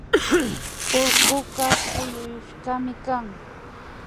Urkuka puyuyashkami kan